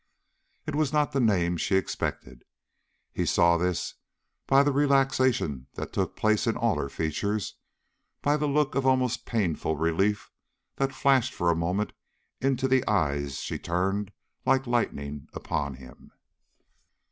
It was not the name she expected. He saw this by the relaxation that took place in all her features, by the look of almost painful relief that flashed for a moment into the eyes she turned like lightning upon him.